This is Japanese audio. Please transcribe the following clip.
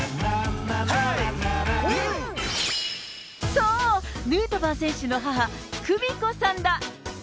そう、ヌートバー選手の母、久美子さんだ。